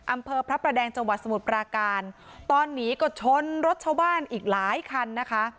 อำเภอพระประแดงจังหวัดสมุทรปราการตอนนี้ก็ชนรถชาวบ้านอีกหลายคันนะคะ